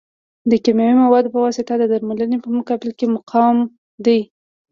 د کیمیاوي موادو په واسطه د درملنې په مقابل کې مقاوم دي.